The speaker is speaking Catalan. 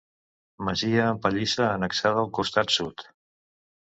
Masia amb pallissa annexada al costat sud.